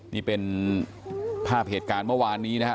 นี่เป็นภาพเหตุการณ์เมื่อวานนี้นะครับ